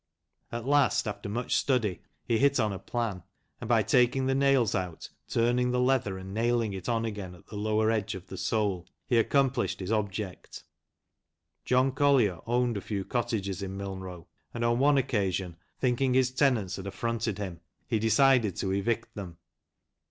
At last, after much study, he hit on a plan, and by taking the nails out, turning the leather, and nailing it on again on the lower edge of the sole, he accom plished his object. John Collier owned a few cottages in Milnrow, and on one occasion, thinking his tenants had affronted him, he decided to evict them.